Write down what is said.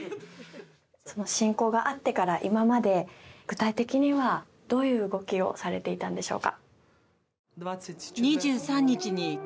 侵攻があってから今まで具体的にはどういう動きをされていたんでしょうか？